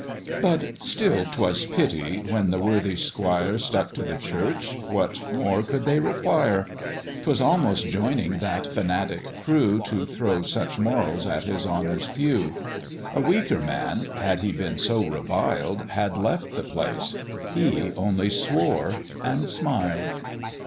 But still 'twas pity, when the worthy 'squire Stuck to the church, what more could they require? 'Twas almost joining that fanatic crew, To throw such morals at his honour's pew; A weaker man, had he been so reviled, Had left the place he only swore and smiled.